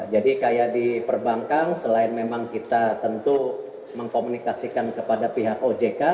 jadi kayak di perbankang selain memang kita tentu mengkomunikasikan kepada pihak ojk